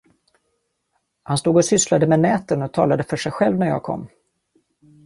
Han stod och sysslade med näten och talade för sig själv när jag kom.